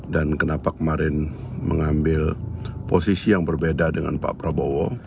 dan kenapa kemarin mengambil posisi yang berbeda dengan pak prabowo